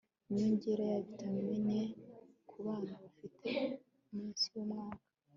inyongera ya vitamini a ku bana bafite munsi yumwaka